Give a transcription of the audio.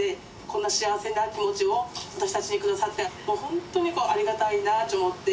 こんな幸せな気持ちを私たちに下さってほんとにありがたいなぁっち思って。